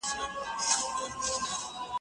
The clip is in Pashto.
زه به سبا د زده کړو تمرين وکړم